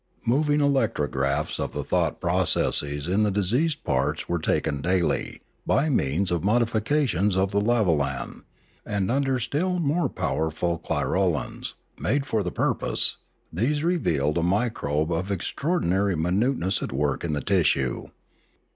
Moving electrographs of the thought processes in the diseased parts were taken daily by means of modifications of the lavolan; and under still more powerful clirolans, made for the purpose, these revealed a microbe of extraordinary minuteness at work in the tissue.